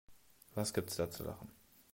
Was gibt es da zu lachen?